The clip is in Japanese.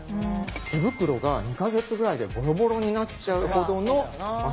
手袋が２か月ぐらいでボロボロになっちゃうほどの摩擦力が。